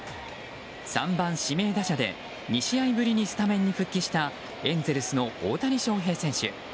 ３番指名打者で２試合ぶりにスタメンに復帰したエンゼルスの大谷翔平選手。